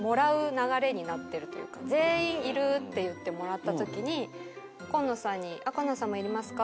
全員いるって言ってもらったときに今野さんに今野さんもいりますか？